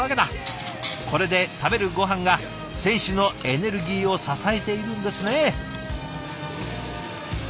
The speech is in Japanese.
これで食べるごはんが選手のエネルギーを支えているんですね。